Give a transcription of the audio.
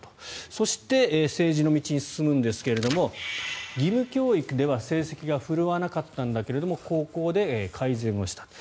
そして政治の道に進むんですが義務教育では成績が振るわなかったんだけれど高校で改善したと。